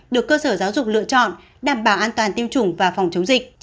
được cơ sở giáo dục lựa chọn đảm bảo an toàn tiêm chủng và phòng chống dịch